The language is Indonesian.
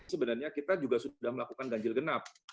sebenarnya kita juga sudah melakukan ganjil genap